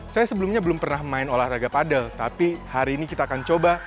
saya sebelumnya belum pernah main olahraga padel tapi hari ini kita akan coba